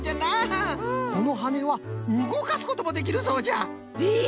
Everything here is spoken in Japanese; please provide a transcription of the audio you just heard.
このはねはうごかすこともできるそうじゃ。え！？